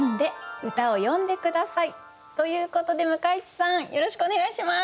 ということで向井地さんよろしくお願いします。